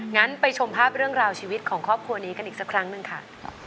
งั้นไปชมภาพเรื่องราวชีวิตของครอบครัวนี้กันอีกสักครั้งหนึ่งค่ะ